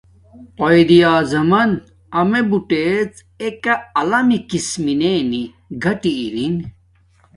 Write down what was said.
قایداعظمن امیے بوٹیڎ ایک علمی کس مینے نی گاٹی ارین